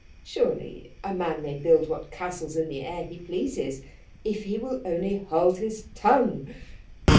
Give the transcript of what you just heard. Surely a man may build what castles in the air he pleases, if he will only hold his tongue!